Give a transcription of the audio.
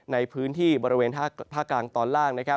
ในพื้นที่บริเวณภาคกลางตอนล่าง